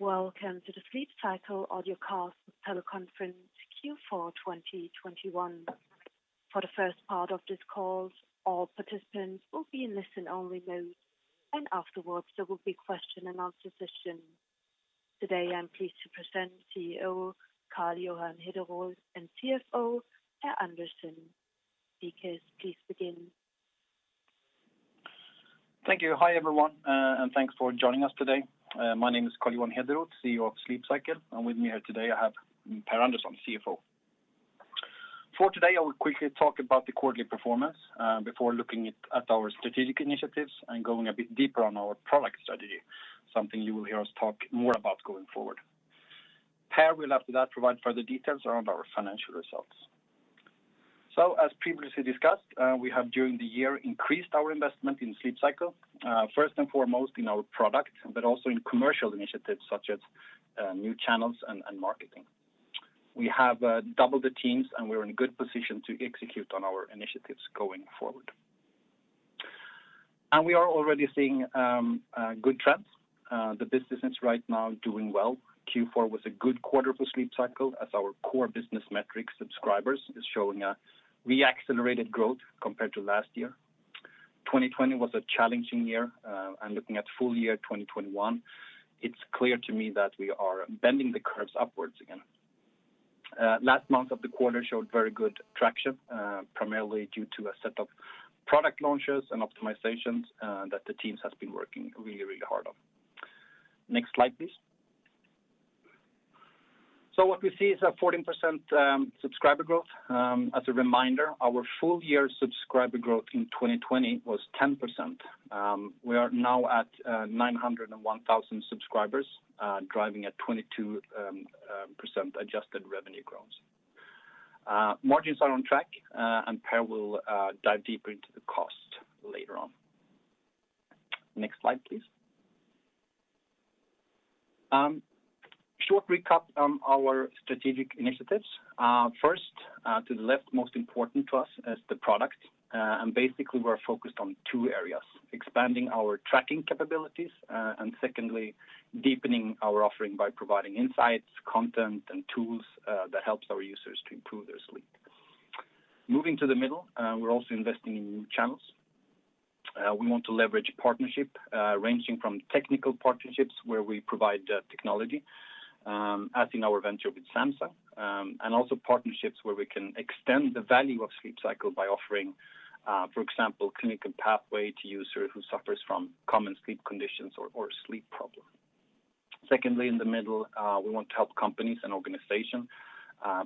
Welcome to the Sleep Cycle Audio Cast Teleconference Q4 2021. For the first part of this call, all participants will be in listen only mode, and afterwards there will be question and answer session. Today, I'm pleased to present CEO, Carl Johan Hederoth, and CFO, Per Andersson. Speakers, please begin. Thank you. Hi, everyone, and thanks for joining us today. My name is Carl Johan Hederoth, CEO of Sleep Cycle. With me here today, I have Per Andersson, CFO. For today, I will quickly talk about the quarterly performance, before looking at our strategic initiatives and going a bit deeper on our product strategy, something you will hear us talk more about going forward. Per will after that provide further details around our financial results. As previously discussed, we have during the year increased our investment in Sleep Cycle, first and foremost in our product, but also in commercial initiatives such as new channels and marketing. We have doubled the teams, and we're in a good position to execute on our initiatives going forward. We are already seeing good trends. The business right now is doing well. Q4 was a good quarter for Sleep Cycle as our core business metrics subscribers is showing a re-accelerated growth compared to last year. 2020 was a challenging year, and looking at full year 2021, it's clear to me that we are bending the curves upwards again. Last month of the quarter showed very good traction, primarily due to a set of product launches and optimizations, that the teams has been working really, really hard on. Next slide, please. What we see is a 14% subscriber growth. As a reminder, our full year subscriber growth in 2020 was 10%. We are now at 901,000 subscribers, driving a 22% adjusted revenue growth. Margins are on track, and Per will dive deeper into the cost later on. Next slide, please. Short recap on our strategic initiatives. First, to the left, most important to us is the product, and basically we're focused on two areas, expanding our tracking capabilities, and secondly, deepening our offering by providing insights, content, and tools that helps our users to improve their sleep. Moving to the middle, we're also investing in new channels. We want to leverage partnership, ranging from technical partnerships where we provide the technology, as in our venture with Samsung, and also partnerships where we can extend the value of Sleep Cycle by offering, for example, clinical pathway to user who suffers from common sleep conditions or sleep problems. Secondly, in the middle, we want to help companies and organizations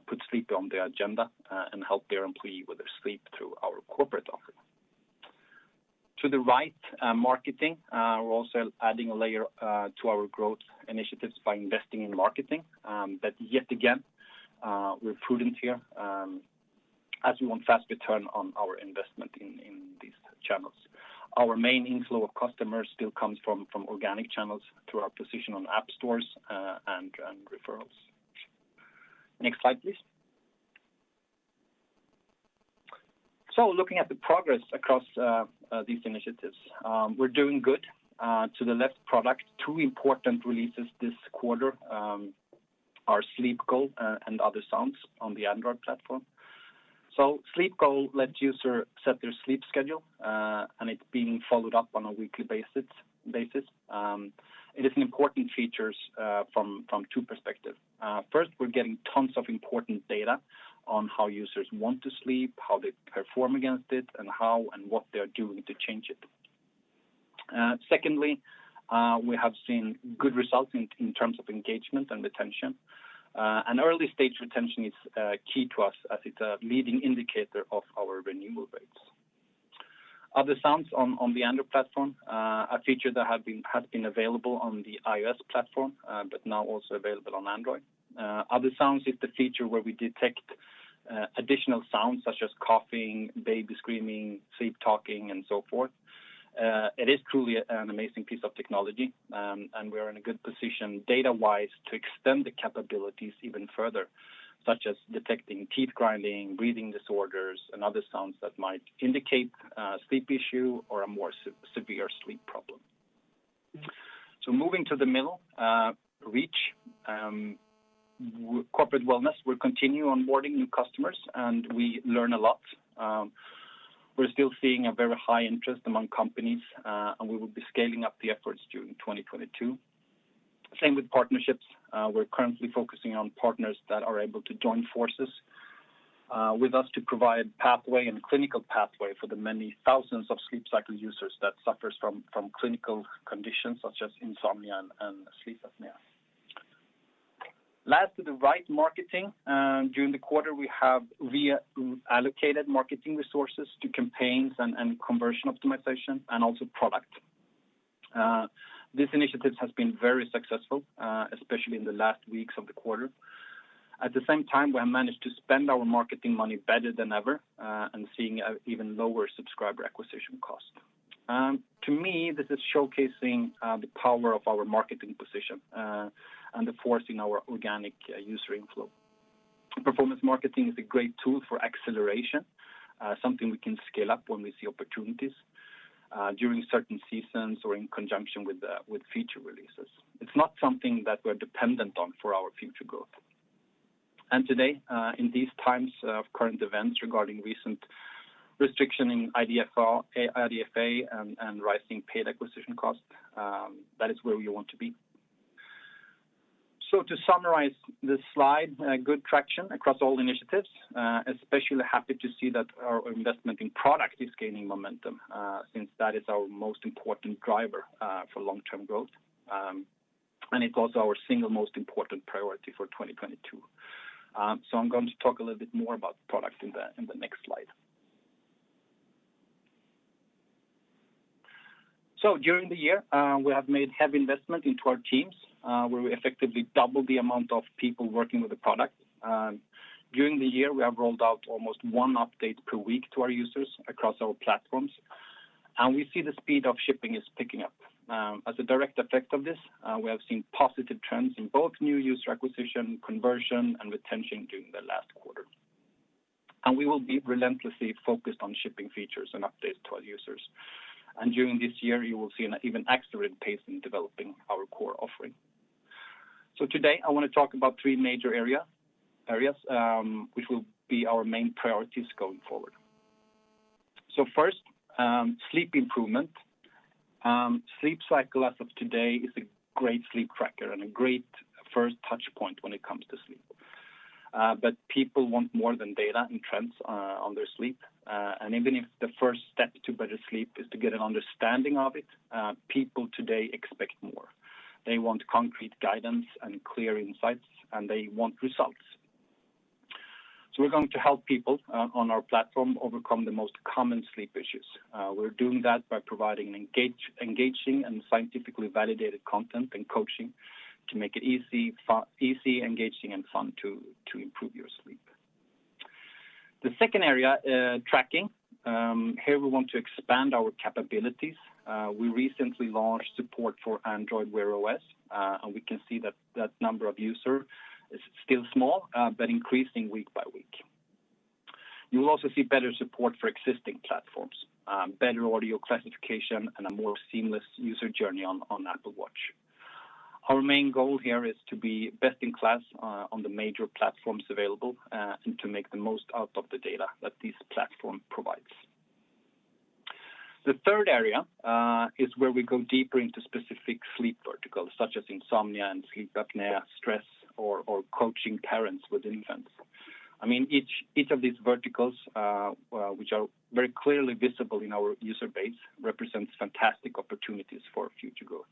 put sleep on their agenda and help their employee with their sleep through our corporate offering. To the right, marketing, we're also adding a layer to our growth initiatives by investing in marketing, but yet again, we're prudent here as we want fast return on our investment in these channels. Our main inflow of customers still comes from organic channels through our position on app stores and referrals. Next slide, please. Looking at the progress across these initiatives, we're doing good. To the left product, two important releases this quarter are Sleep Goal and Other Sounds on the Android platform. Sleep Goal lets user set their sleep schedule, and it's being followed up on a weekly basis. It is an important feature from two perspectives. First, we're getting tons of important data on how users want to sleep, how they perform against it, and how and what they are doing to change it. Second, we have seen good results in terms of engagement and retention. Early stage retention is key to us as it's a leading indicator of our renewal rates. Other Sounds on the Android platform, a feature that has been available on the iOS platform, but now also available on Android. Other Sounds is the feature where we detect additional sounds such as coughing, baby screaming, sleep talking, and so forth. It is truly an amazing piece of technology, and we are in a good position data-wise to extend the capabilities even further, such as detecting teeth grinding, breathing disorders, and other sounds that might indicate a sleep issue or a more severe sleep problem. Moving to the middle reach, corporate wellness will continue onboarding new customers, and we learn a lot. We're still seeing a very high interest among companies, and we will be scaling up the efforts during 2022. Same with partnerships. We're currently focusing on partners that are able to join forces with us to provide pathway and clinical pathway for the many thousands of Sleep Cycle users that suffers from clinical conditions such as insomnia and sleep apnea. Last to the right, marketing. During the quarter, we have reallocated marketing resources to campaigns and conversion optimization and also product. These initiatives have been very successful, especially in the last weeks of the quarter. At the same time, we have managed to spend our marketing money better than ever and seeing an even lower subscriber acquisition cost. To me, this is showcasing the power of our marketing position and the force in our organic user inflow. Performance marketing is a great tool for acceleration, something we can scale up when we see opportunities during certain seasons or in conjunction with feature releases. It's not something that we're dependent on for our future growth. Today, in these times of current events regarding recent restriction in IDFA and rising paid acquisition costs, that is where we want to be. To summarize this slide, good traction across all initiatives, especially happy to see that our investment in product is gaining momentum, since that is our most important driver for long-term growth. It's also our single most important priority for 2022. I'm going to talk a little bit more about product in the next slide. During the year, we have made heavy investment into our teams, where we effectively doubled the amount of people working with the product. During the year, we have rolled out almost one update per week to our users across our platforms, and we see the speed of shipping is picking up. As a direct effect of this, we have seen positive trends in both new user acquisition, conversion, and retention during the last quarter. We will be relentlessly focused on shipping features and updates to our users. During this year, you will see an even accelerated pace in developing our core offering. Today, I wanna talk about three major areas which will be our main priorities going forward. First, sleep improvement. Sleep Cycle as of today is a great sleep tracker and a great first touch point when it comes to sleep. People want more than data and trends on their sleep. Even if the first step to better sleep is to get an understanding of it, people today expect more. They want concrete guidance and clear insights, and they want results. We're going to help people on our platform overcome the most common sleep issues. We're doing that by providing engaging and scientifically validated content and coaching to make it easy, engaging, and fun to improve your sleep. The second area, tracking. Here we want to expand our capabilities. We recently launched support for Android Wear OS, and we can see that number of users is still small, but increasing week by week. You will also see better support for existing platforms, better audio classification, and a more seamless user journey on Apple Watch. Our main goal here is to be best in class on the major platforms available, and to make the most out of the data that this platform provides. The third area is where we go deeper into specific sleep verticals, such as insomnia and sleep apnea, stress, or coaching parents with infants. I mean, each of these verticals, which are very clearly visible in our user base, represents fantastic opportunities for future growth.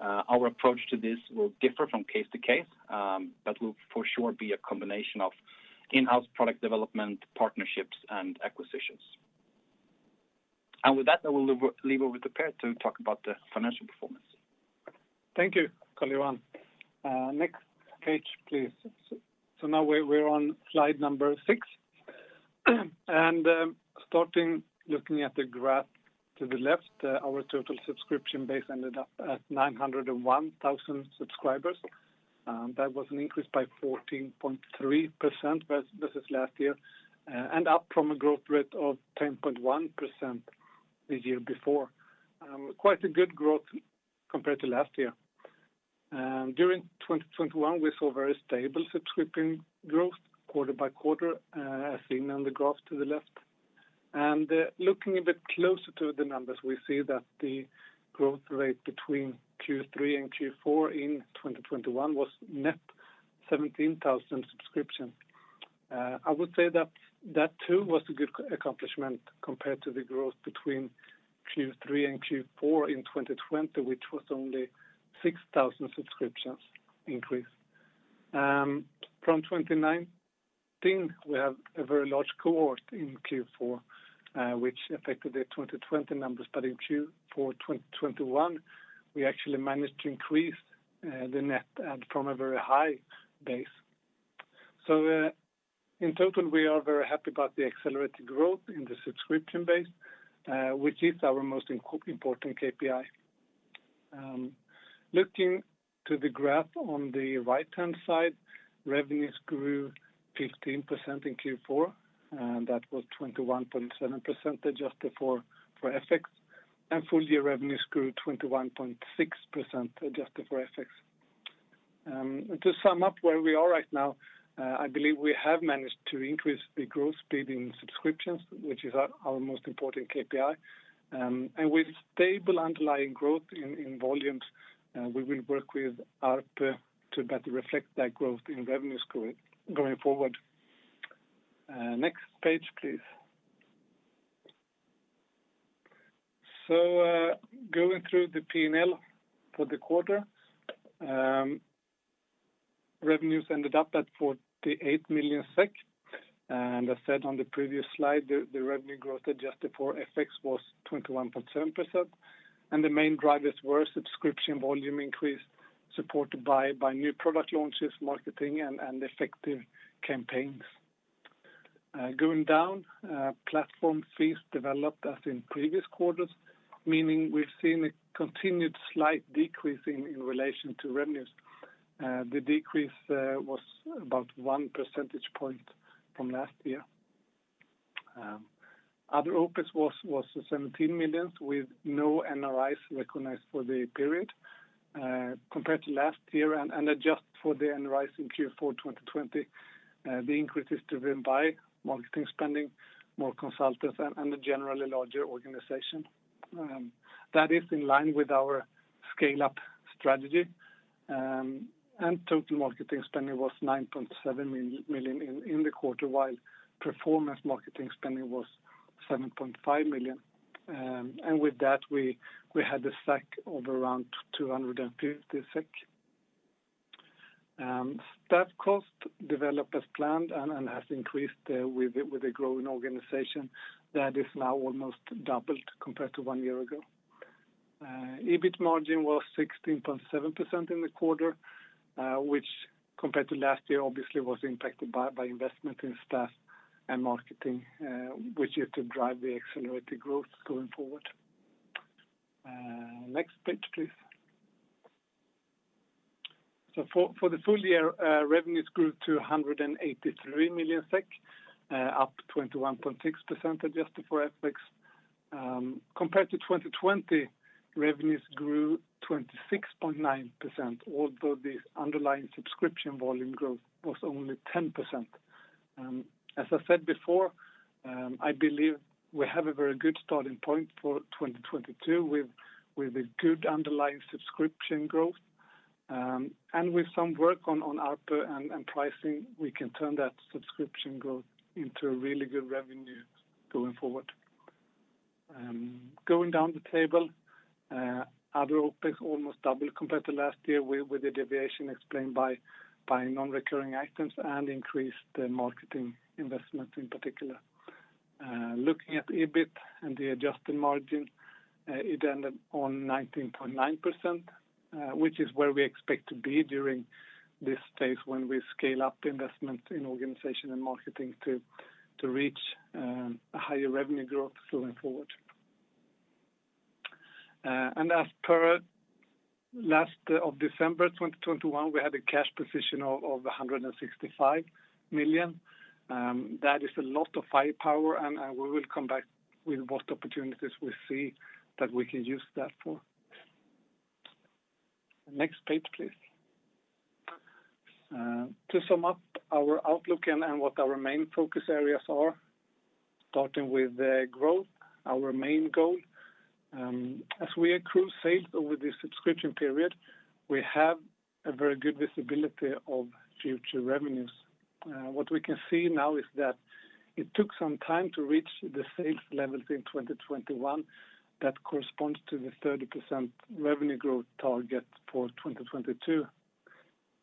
Our approach to this will differ from case to case, but will for sure be a combination of in-house product development, partnerships, and acquisitions. With that, I will hand over to Per to talk about the financial performance. Thank you, Carl Johan. Next page, please. Now we're on slide number six. Starting looking at the graph to the left, our total subscription base ended up at 901,000 subscribers. That was an increase by 14.3% versus last year, and up from a growth rate of 10.1% the year before. Quite a good growth compared to last year. During 2021, we saw very stable subscription growth quarter by quarter, as seen on the graph to the left. Looking a bit closer to the numbers, we see that the growth rate between Q3 and Q4 in 2021 was net 17,000 subscriptions. I would say that too was a good accomplishment compared to the growth between Q3 and Q4 in 2020, which was only 6,000 subscriptions increase. From 2019, we have a very large cohort in Q4, which affected the 2020 numbers. In Q4 2021, we actually managed to increase the net add from a very high base. In total, we are very happy about the accelerated growth in the subscription base, which is our most important KPI. Looking at the graph on the right-hand side, revenues grew 15% in Q4, and that was 21.7% adjusted for FX. Full-year revenues grew 21.6% adjusted for FX. To sum up where we are right now, I believe we have managed to increase the growth speed in subscriptions, which is our most important KPI. With stable underlying growth in volumes, we will work with ARPU to better reflect that growth in revenue score going forward. Next page, please. Going through the P&L for the quarter, revenues ended up at 48 million SEK. As said on the previous slide, the revenue growth adjusted for FX was 21.7%. The main drivers were subscription volume increase, supported by new product launches, marketing, and effective campaigns. Going down, platform fees developed as in previous quarters, meaning we've seen a continued slight decrease in relation to revenues. The decrease was about one percentage point from last year. Other OPEX was 17 million with no NRIs recognized for the period, compared to last year and adjust for the NRIs in Q4 2020, the increase is driven by marketing spending, more consultants and a generally larger organization, that is in line with our scale up strategy. Total marketing spending was 9.7 million in the quarter, while performance marketing spending was 7.5 million. With that, we had a CAC of around 250 SEK. Staff cost developed as planned and has increased, with a growing organization that is now almost doubled compared to one year ago. EBIT margin was 16.7% in the quarter, which compared to last year obviously was impacted by investment in staff and marketing, which is to drive the accelerated growth going forward. Next page, please. For the full year, revenues grew to 183 million SEK, up 21.6% adjusted for FX. Compared to 2020, revenues grew 26.9%, although the underlying subscription volume growth was only 10%. As I said before, I believe we have a very good starting point for 2022 with a good underlying subscription growth. With some work on ARPU and pricing, we can turn that subscription growth into a really good revenue going forward. Going down the table, other OPEX almost double compared to last year with the deviation explained by non-recurring items and increased marketing investments in particular. Looking at EBIT and the adjusted margin, it ended on 19.9%, which is where we expect to be during this phase when we scale up investment in organization and marketing to reach a higher revenue growth going forward. As of December 31, 2021, we had a cash position of 165 million. That is a lot of firepower and we will come back with what opportunities we see that we can use that for. Next page, please. To sum up our outlook and what our main focus areas are, starting with the growth, our main goal. As we accrue sales over the subscription period, we have a very good visibility of future revenues. What we can see now is that it took some time to reach the sales levels in 2021 that corresponds to the 30% revenue growth target for 2022.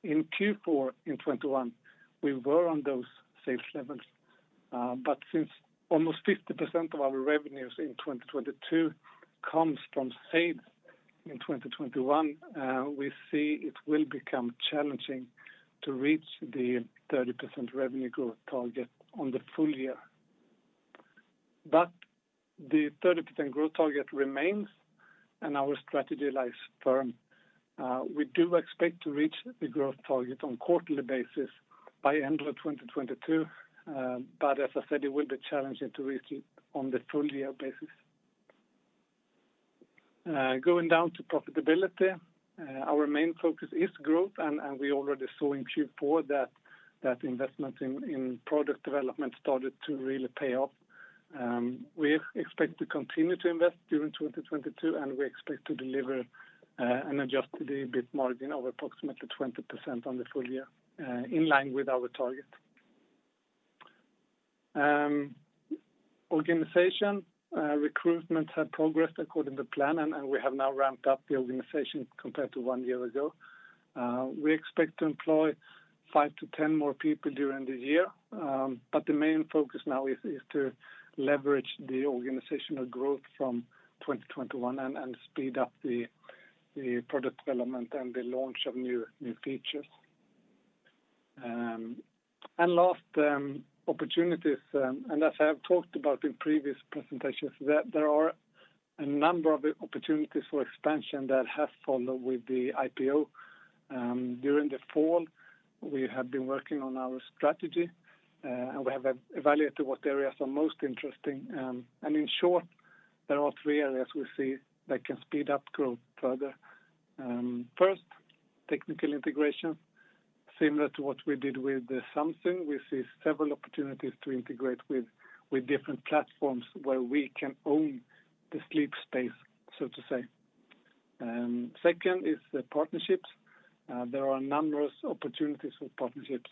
In Q4 in 2021, we were on those sales levels. Since almost 50% of our revenues in 2022 comes from sales in 2021, we see it will become challenging to reach the 30% revenue growth target on the full year. The 30% growth target remains and our strategy lies firm. We do expect to reach the growth target on quarterly basis by end of 2022. As I said, it will be challenging to reach it on the full year basis. Going down to profitability, our main focus is growth and we already saw in Q4 that investment in product development started to really pay off. We expect to continue to invest during 2022, and we expect to deliver an adjusted EBIT margin of approximately 20% on the full year, in line with our target. Organizational recruitment has progressed according to plan and we have now ramped up the organization compared to one year ago. We expect to employ five to 10 more people during the year. The main focus now is to leverage the organizational growth from 2021 and speed up the product development and the launch of new features. Lastly, opportunities and as I have talked about in previous presentations, that there are a number of opportunities for expansion that have followed with the IPO. During the fall, we have been working on our strategy, and we have evaluated what areas are most interesting. In short, there are three areas we see that can speed up growth further. First, technical integration, similar to what we did with Samsung, we see several opportunities to integrate with different platforms where we can own the sleep space, so to say. Second is the partnerships. There are numerous opportunities for partnerships.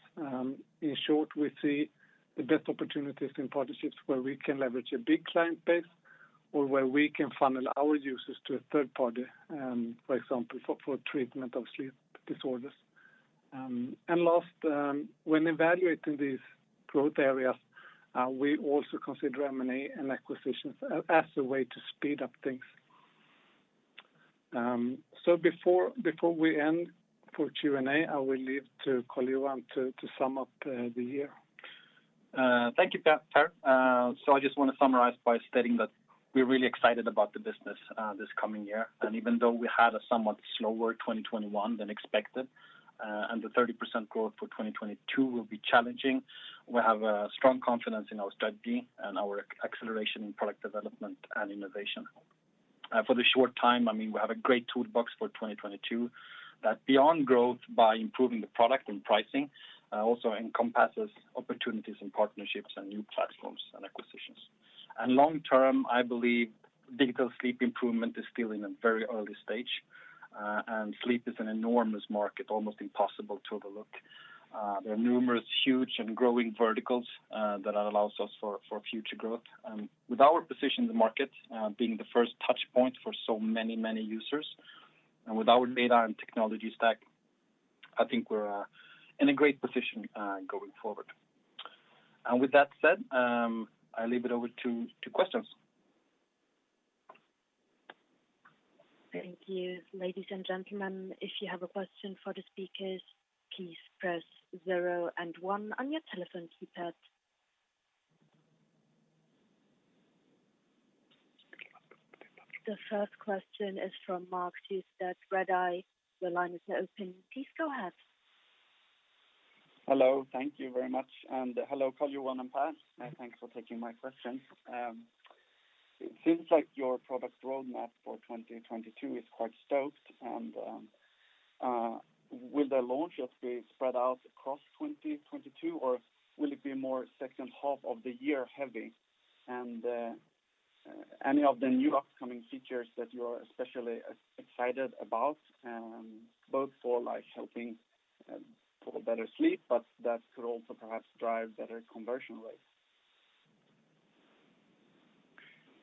In short, we see the best opportunities in partnerships where we can leverage a big client base or where we can funnel our users to a third party, for example, for treatment of sleep disorders. Last, when evaluating these growth areas, we also consider M&A and acquisitions as a way to speed up things. Before we end for Q&A, I will leave to Carl Johan to sum up the year. Thank you, Per. I just want to summarize by stating that we're really excited about the business, this coming year. Even though we had a somewhat slower 2021 than expected, and the 30% growth for 2022 will be challenging, we have a strong confidence in our strategy and our acceleration in product development and innovation. For the short term, I mean, we have a great toolbox for 2022 that beyond growth by improving the product and pricing, also encompasses opportunities and partnerships and new platforms and acquisitions. Long term, I believe digital sleep improvement is still in a very early stage, and sleep is an enormous market, almost impossible to overlook. There are numerous huge and growing verticals that allows us for future growth. With our position in the market, being the first touch point for so many users, and with our data and technology stack, I think we're in a great position going forward. With that said, I leave it over to questions. Thank you. Ladies and gentlemen, if you have a question for the speakers, please press zero and one on your telephone keypad. The first question is from Mark Siöstedt, Redeye. Hello. Thank you very much. Hello, Carl Johan and Per, thanks for taking my question. It seems like your product roadmap for 2022 is quite stacked and will the launch just be spread out across 2022, or will it be more second half of the year heavy? Any of the new upcoming features that you are especially excited about, both for like helping for better sleep, but that could also perhaps drive better conversion rates?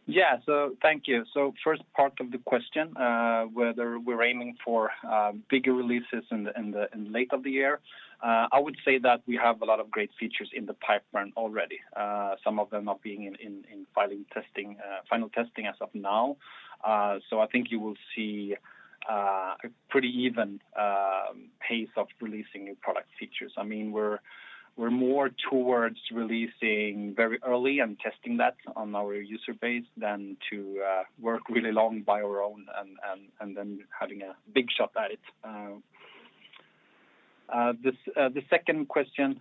Yeah. Thank you. First part of the question, whether we're aiming for bigger releases in the latter of the year, I would say that we have a lot of great features in the pipeline already. Some of them are being in final testing as of now. I think you will see a pretty even pace of releasing new product features. I mean, we're more towards releasing very early and testing that on our user base than to work really long on our own and then having a big shot at it. The second question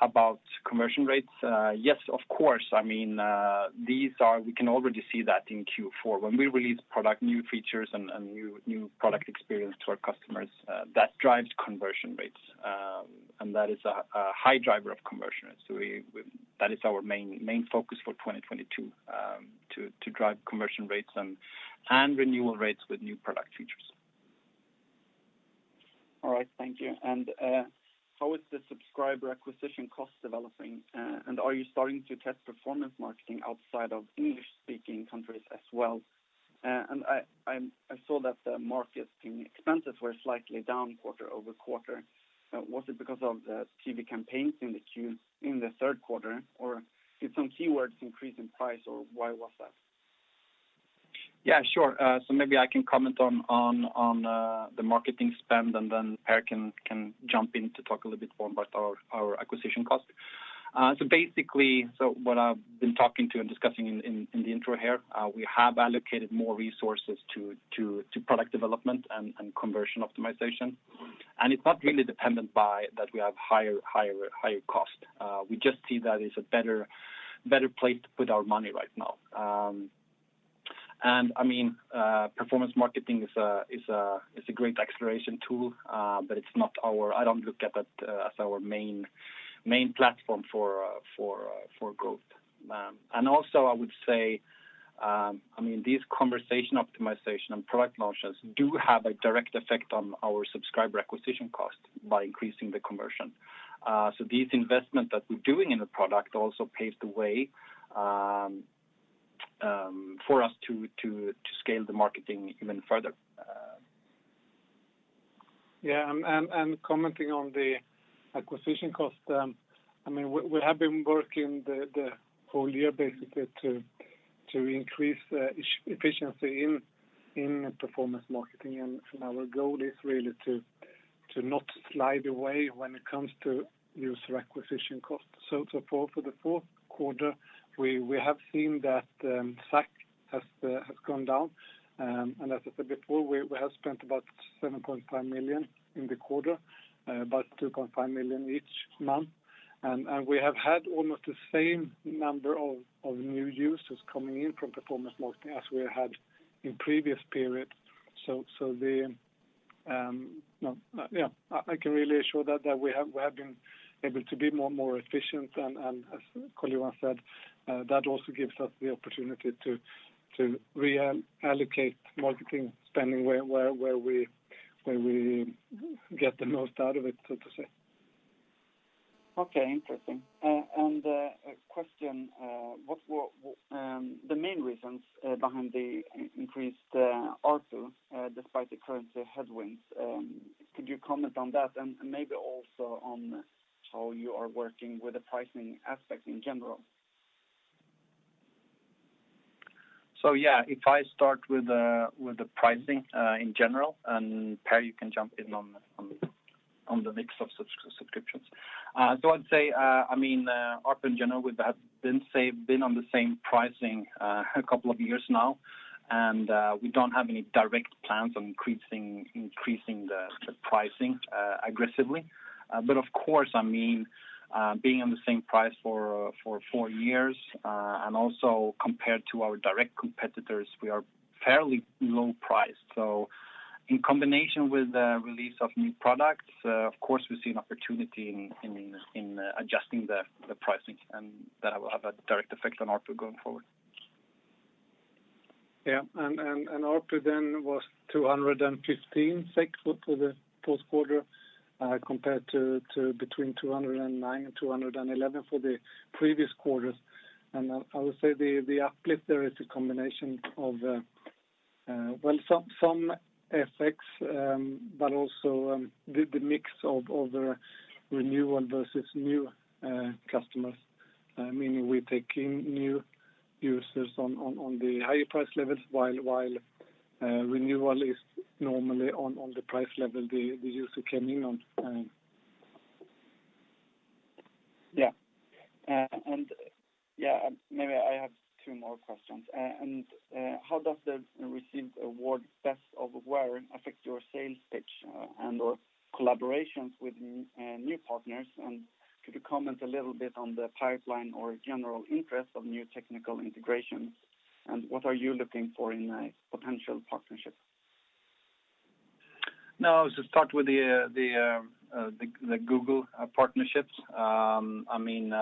about conversion rates, yes, of course. I mean, these are. We can already see that in Q4. When we release product, new features and new product experience to our customers, that drives conversion rates. That is a high driver of conversion rates. That is our main focus for 2022 to drive conversion rates and renewal rates with new product features. All right. Thank you. How is the subscriber acquisition cost developing? Are you starting to test performance marketing outside of English-speaking countries as well? I saw that the marketing expenses were slightly down quarter-over-quarter. Was it because of the TV campaigns in the third quarter, or did some keywords increase in price, or why was that? Yeah, sure. Maybe I can comment on the marketing spend, and then Per can jump in to talk a little bit more about our acquisition costs. Basically, what I've been talking to and discussing in the intro here, we have allocated more resources to product development and conversion optimization. It's not really dependent on that we have higher cost. We just see that as a better place to put our money right now. I mean, performance marketing is a great exploration tool, but I don't look at that as our main platform for growth. Also I would say, I mean, these conversion optimization and product launches do have a direct effect on our subscriber acquisition cost by increasing the conversion. These investment that we're doing in the product also paves the way for us to scale the marketing even further. Yeah. Commenting on the acquisition cost, I mean, we have been working the whole year basically to increase efficiency in performance marketing. Our goal is really to not slide away when it comes to user acquisition costs. For the fourth quarter, we have seen that SAC has gone down. As I said before, we have spent about 7.5 million in the quarter, about 2.5 million each month. We have had almost the same number of new users coming in from performance marketing as we had in previous periods. I can really assure that we have been able to be more efficient. As Carl Johan said, that also gives us the opportunity to reallocate marketing spending where we get the most out of it, so to say. Okay. Interesting. A question, what were the main reasons behind the increased ARPU despite the currency headwinds? Could you comment on that and maybe also on how you are working with the pricing aspect in general? If I start with the pricing in general and Per, you can jump in on the mix of subscriptions. I'd say, I mean, ARPU in general with that, we've been on the same pricing a couple of years now, and we don't have any direct plans on increasing the pricing aggressively. Of course, I mean, being on the same price for four years, and also compared to our direct competitors, we are fairly low priced. In combination with the release of new products, of course we see an opportunity in adjusting the pricing, and that will have a direct effect on ARPU going forward. Yeah. ARPU then was 215 SEK for the fourth quarter, compared to between 209 and 211 for the previous quarters. I would say the uplift there is a combination of well, some FX, but also the mix of the renewal versus new customers, meaning we're taking new users on the higher price levels while renewal is normally on the price level the user came in on. Yeah, maybe I have two more questions. How does the received award Best of Wear affect your sales pitch, and/or collaborations with new partners? Could you comment a little bit on the pipeline or general interest of new technical integrations? What are you looking for in a potential partnership? No. Start with the Google partnerships. I mean,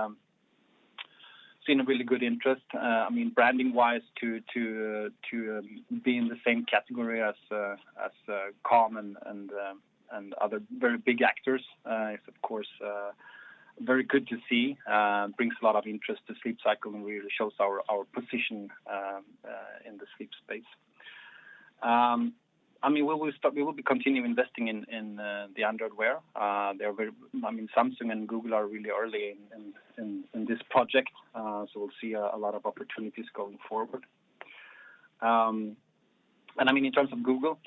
seen a really good interest. I mean, branding wise to be in the same category as Calm and other very big actors is of course very good to see. It brings a lot of interest to Sleep Cycle and really shows our position in the sleep space. I mean, we will be continuing investing in the Android Wear. They are very early. I mean, Samsung and Google are really early in this project, so we'll see a lot of opportunities going forward. I mean, in terms of Google,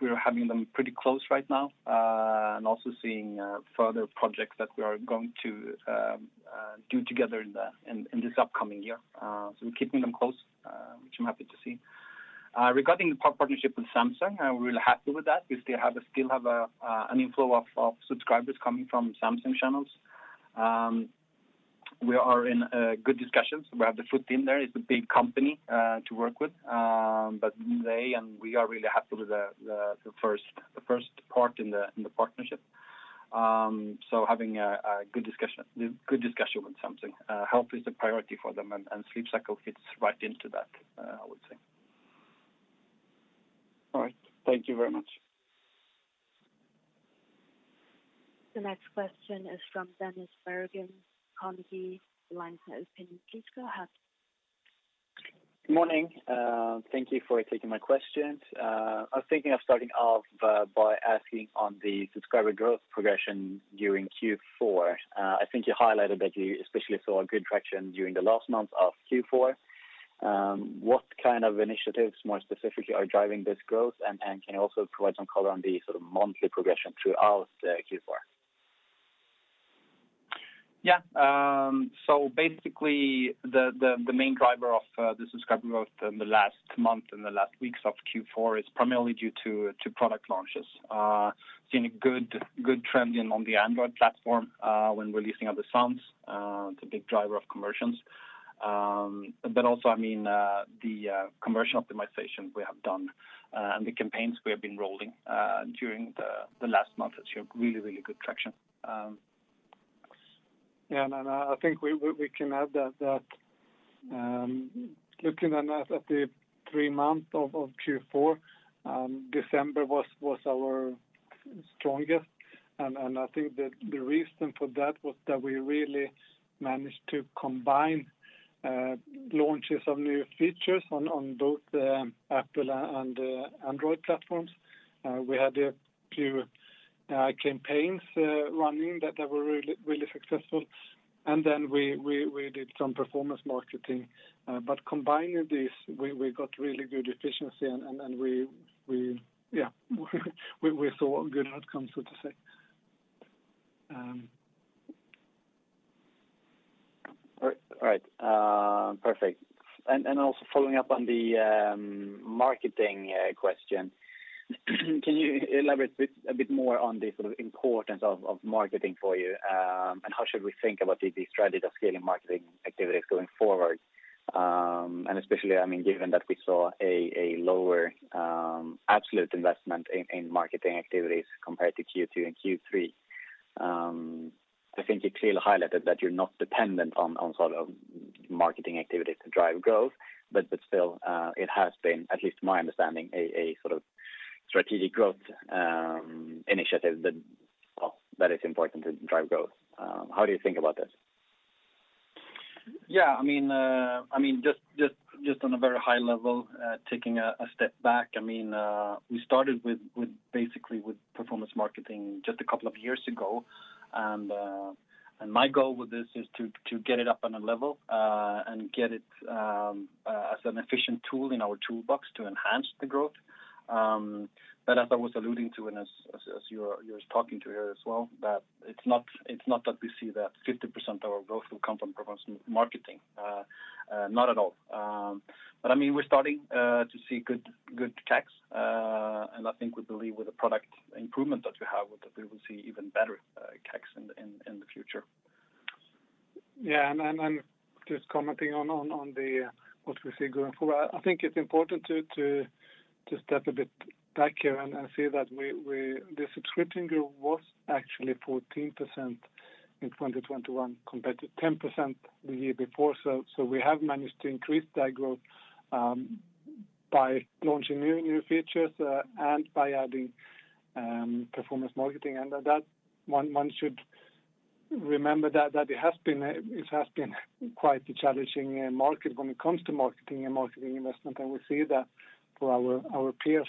we're having them pretty close right now, and also seeing further projects that we are going to do together in this upcoming year. We're keeping them close, which I'm happy to see. Regarding the partnership with Samsung, I'm really happy with that. We still have an inflow of subscribers coming from Samsung channels. We are in good discussions. We have the foot in there. It's a big company to work with. They and we are really happy with the first part in the partnership, having a good discussion with Samsung. Health is a priority for them and Sleep Cycle fits right into that, I would say. All right. Thank you very much. The next question is from Dennis Berggren, Carnegie. Your line is open. Please go ahead. Good morning. Thank you for taking my questions. I was thinking of starting off by asking on the subscriber growth progression during Q4. I think you highlighted that you especially saw a good traction during the last month of Q4. What kind of initiatives more specifically are driving this growth? And can you also provide some color on the sort of monthly progression throughout Q4? Yeah. Basically the main driver of the subscriber growth in the last month and the last weeks of Q4 is primarily due to product launches. Seeing a good trend on the Android platform when releasing Other Sounds, it's a big driver of conversions. Also, I mean, the conversion optimization we have done and the campaigns we have been rolling during the last month or two, really good traction. I think we can add that, looking at the three months of Q4, December was our strongest. I think the reason for that was that we really managed to combine launches of new features on both Apple and Android platforms. We had a few campaigns running that were really successful. Then we did some performance marketing. Combining this, we got really good efficiency and we saw good outcomes, so to say. All right. Perfect. Also following up on the marketing question, can you elaborate a bit more on the sort of importance of marketing for you? How should we think about the strategy of scaling marketing activities going forward? Especially, I mean, given that we saw a lower absolute investment in marketing activities compared to Q2 and Q3. I think you clearly highlighted that you're not dependent on sort of marketing activity to drive growth, but still, it has been, at least my understanding, a sort of strategic growth initiative that, well, that is important to drive growth. How do you think about this? I mean, just on a very high level, taking a step back. I mean, we started with basically performance marketing just a couple of years ago. My goal with this is to get it up on a level and get it as an efficient tool in our toolbox to enhance the growth. As I was alluding to, and as you're talking to here as well, that it's not that we see that 50% of our growth will come from performance marketing. Not at all. I mean, we're starting to see good CACs. I think we believe with the product improvement that we have, that we will see even better CACs in the future. Yeah. Just commenting on what we see going forward. I think it's important to step a bit back here and see that the subscription growth was actually 14% in 2021 compared to 10% the year before. We have managed to increase that growth by launching new features and by adding performance marketing. One should remember that it has been quite a challenging market when it comes to marketing and marketing investment, and we see that for our peers.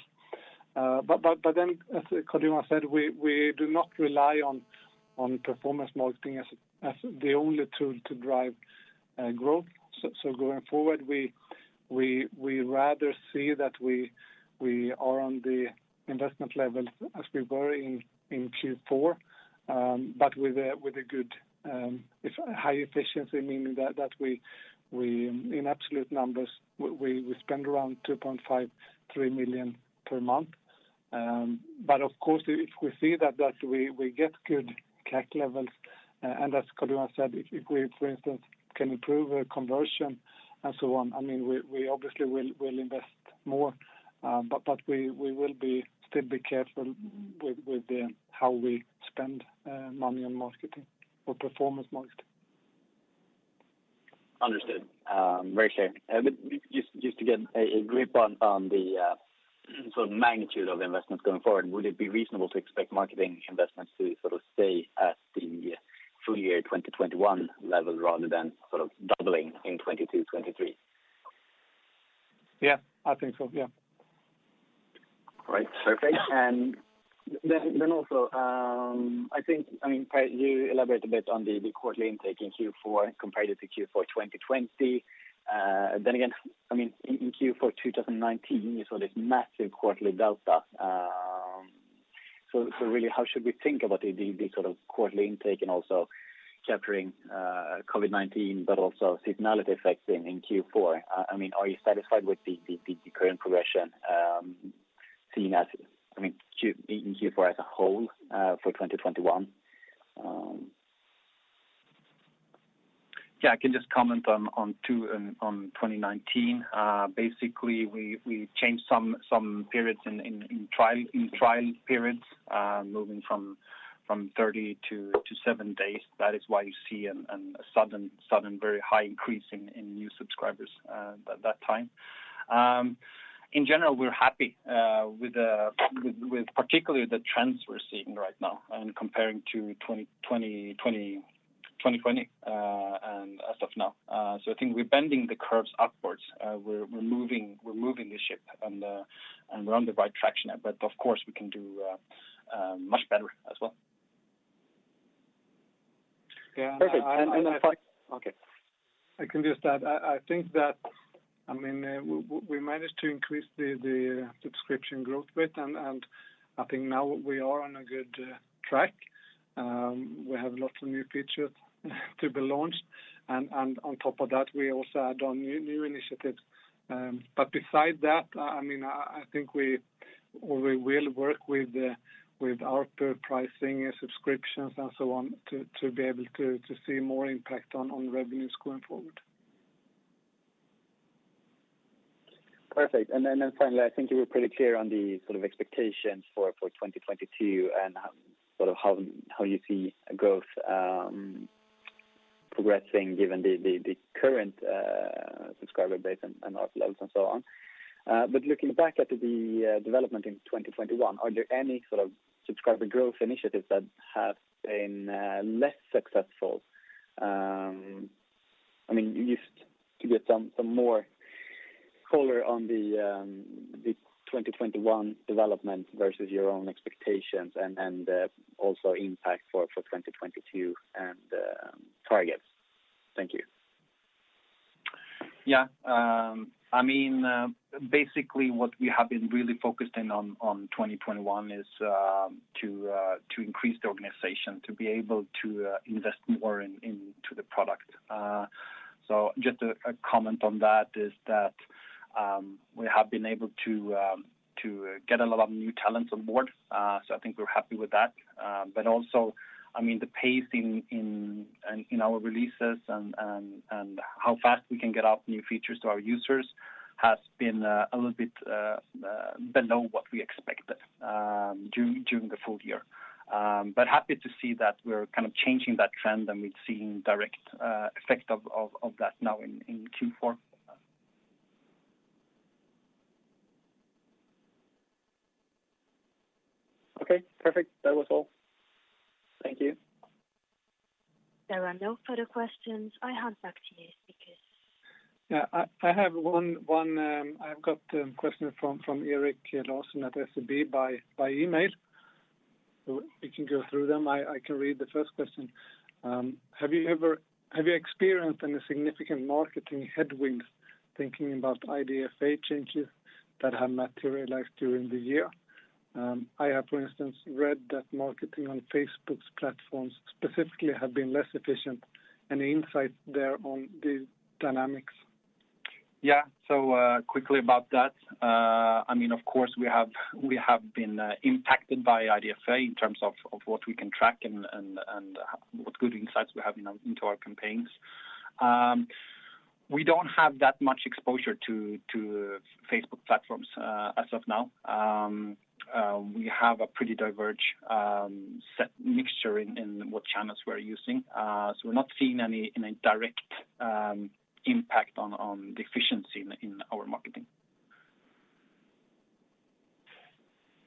Then as Carl Johan said, we do not rely on performance marketing as the only tool to drive growth. Going forward, we rather see that we are on the investment level as we were in Q4, but with a good high efficiency, meaning that we in absolute numbers spend around 2.5 million-3 million per month. Of course, if we see that we get good CAC levels, and as Carl Johan said, if we for instance can improve conversion and so on, I mean, we obviously will invest more. We will still be careful with how we spend money on marketing or performance marketing. Understood. Very clear. Just to get a grip on the sort of magnitude of investments going forward, would it be reasonable to expect marketing investments to sort of stay at the full year 2021 level rather than sort of doubling in 2022, 2023? Yeah, I think so. Yeah. Great. Perfect. Then also, I think, I mean, Per, you elaborate a bit on the quarterly intake in Q4 compared to Q4 2020. Again, I mean, in Q4 2019, you saw this massive quarterly delta. Really how should we think about the sort of quarterly intake and also capturing COVID-19, but also seasonality effects in Q4? I mean, are you satisfied with the current progression seen in Q4 as a whole for 2021? Yeah, I can just comment on 2019. Basically, we changed some periods in trial periods, moving from 30 to seven days. That is why you see a sudden very high increase in new subscribers at that time. In general, we're happy with particularly the trends we're seeing right now and comparing to 2020 and as of now. I think we're bending the curves upwards. We're moving the ship and we're on the right track. Of course, we can do much better as well. Yeah. Perfect. I. Okay. I can just add, I think that, I mean, we managed to increase the subscription growth rate. I think now we are on a good track. We have lots of new features to be launched. On top of that, we also add on new initiatives. Besides that, I mean, I think we will work with our pricing subscriptions and so on to be able to see more impact on revenues going forward. Perfect. Finally, I think you were pretty clear on the sort of expectations for 2022 and sort of how you see growth progressing given the current subscriber base and ARPU levels and so on. Looking back at the development in 2021, are there any sort of subscriber growth initiatives that have been less successful? I mean, just to get some more color on the 2021 development versus your own expectations and also impact for 2022 and targets. Thank you. I mean, basically what we have been really focusing on in 2021 is to increase the organization to be able to invest more into the product. Just a comment on that is that we have been able to get a lot of new talents on board. I think we're happy with that. Also, I mean, the pace in our releases and how fast we can get out new features to our users has been a little bit below what we expected during the full year. Happy to see that we're kind of changing that trend, and we've seen direct effect of that now in Q4. Okay, perfect. That was all. Thank you. There are no further questions. I hand back to you, speakers. Yeah, I have one question from Erik Larsson at SEB by email. We can go through them. I can read the first question. Have you experienced any significant marketing headwinds thinking about IDFA changes that have materialized during the year? I have, for instance, read that marketing on Facebook's platforms specifically have been less efficient. Any insight there on these dynamics? Yeah. Quickly about that. I mean, of course, we have been impacted by IDFA in terms of what we can track and what good insights we have into our campaigns. We don't have that much exposure to Facebook platforms as of now. We have a pretty diverse set mixture in what channels we're using. We're not seeing any direct impact on the efficiency in our marketing.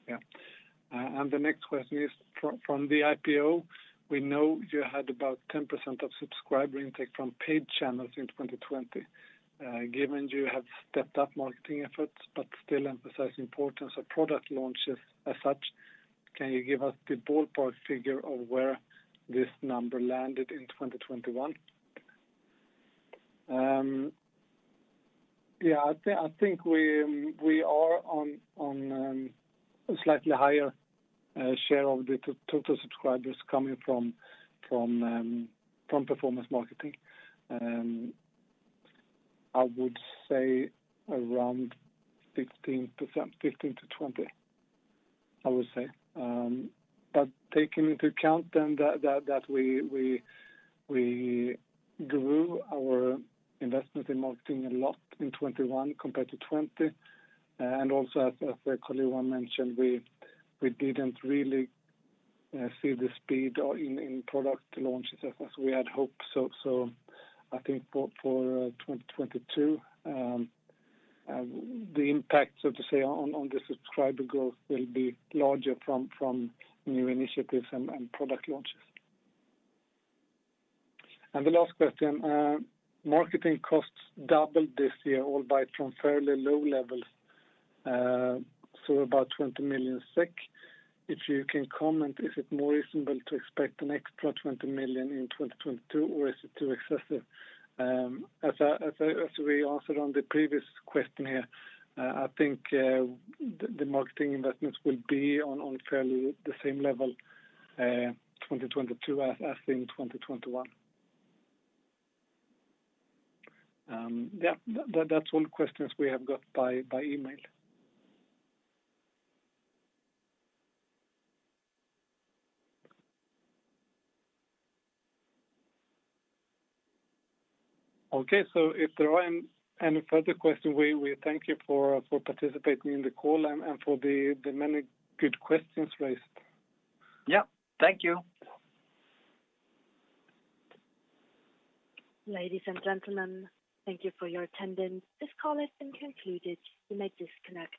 Yeah. The next question is from the IPO, we know you had about 10% of subscriber intake from paid channels in 2020. Given you have stepped up marketing efforts but still emphasize importance of product launches as such, can you give us the ballpark figure of where this number landed in 2021? Yeah, I think we are on a slightly higher share of the total subscribers coming from performance marketing. I would say around 15%-20%. Taking into account that we grew our investment in marketing a lot in 2021 compared to 2020. Also as Carl Johan mentioned, we didn't really see the speed in product launches as we had hoped. I think for 2022, the impact, so to say, on the subscriber growth will be larger from new initiatives and product launches. The last question, marketing costs doubled this year, albeit from fairly low levels, so about 20 million SEK. If you can comment, is it more reasonable to expect an extra 20 million in 2022 or is it too excessive? As we answered on the previous question here, I think the marketing investments will be on fairly the same level, 2022 as in 2021. Yeah, that's all questions we have got by email. Okay. If there aren't any further questions, we thank you for participating in the call and for the many good questions raised. Yeah. Thank you. Ladies and gentlemen, thank you for your attendance. This call has been concluded. You may disconnect.